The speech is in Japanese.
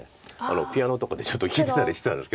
ピアノとかでちょっと弾いてたりしてたんですけど。